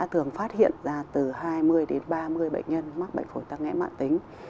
thường phát hiện là từ hai mươi đến ba mươi bệnh nhân mắc bệnh phổi tắc nhém mạng tính